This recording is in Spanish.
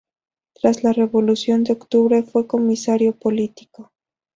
Tras la Revolución de Octubre, fue comisario político.